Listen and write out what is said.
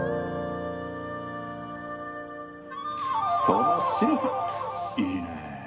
その白さいいね。